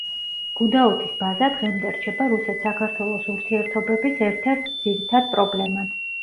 გუდაუთის ბაზა დღემდე რჩება რუსეთ-საქართველოს ურთიერთობების ერთ-ერთ ძირითად პრობლემად.